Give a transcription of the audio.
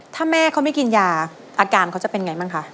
ถ้าแม่เขาไม่กินยาอาการเขาจะเป็นไงบ้างคะ